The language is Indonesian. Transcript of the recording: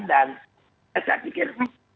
dan saya pikir